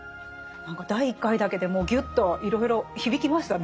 何か第１回だけでもうぎゅっといろいろ響きましたね。